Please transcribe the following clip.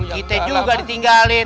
kita juga ditinggalin